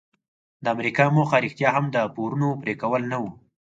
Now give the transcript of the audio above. د امریکا موخه رښتیا هم د پورونو پریکول نه وو.